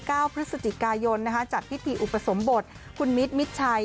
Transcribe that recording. เก้าพฤศจิกายนนะคะจัดพิธีอุปสมบทคุณมิตรมิดชัย